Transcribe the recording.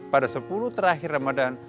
pada sepuluh terakhir ramadan